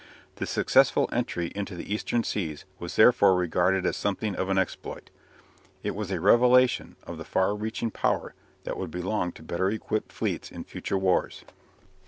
The successful entry into the Eastern seas was therefore regarded as something of an exploit. It was a revelation of the far reaching power that would belong to better equipped fleets in future wars.